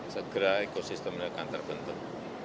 segera ekosistemnya akan terbentuk